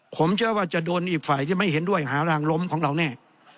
ผมเชื่อว่าจะโดนอีกฝ่ายที่ไม่เห็นด้วยหารางล้มของเราแน่